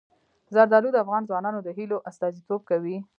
زردالو د افغان ځوانانو د هیلو استازیتوب کوي.